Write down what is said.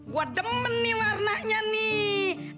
gue demen nih warnanya nih